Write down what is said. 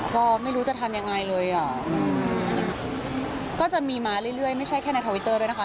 ก็ไม่รู้จะทำยังไงเลยอ่ะก็จะมีมาเรื่อยไม่ใช่แค่ในทวิตเตอร์ด้วยนะคะ